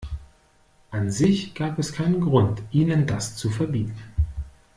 An sich gab es keinen Grund, ihnen das zu verbieten.